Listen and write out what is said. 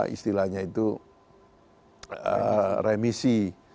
istilahnya itu remisi